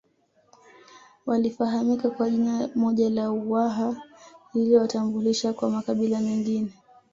Walifahamika kwa jina moja la Uwaha lililowatambulisha kwa makabila mengine